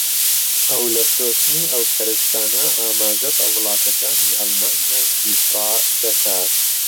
ئەو لە فرۆشتنی ئەو کەرستانە ئاماژە بە وڵاتەکانی ئەڵمانیا و سویسڕا دەکات